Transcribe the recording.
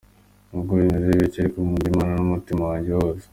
Nubwo bimeze bityo ariko, nkunda Imana n’umutima wanjye wose.